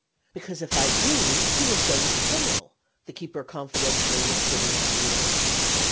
"Because, if I do, he will show his tail," the keeper confidentially whispered in my ear.